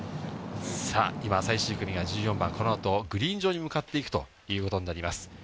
さあ、今最終組が１４番、このあとグリーン上に向かっていくということです。